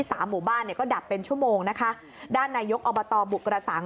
สามหมู่บ้านเนี่ยก็ดับเป็นชั่วโมงนะคะด้านนายกอบตบุกระสัง